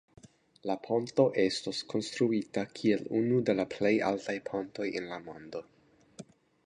La ponto estos konstruita kiel unu de la plej altaj pontoj en la mondo.